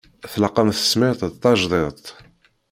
Tlaq-am tesmert d tajdidt.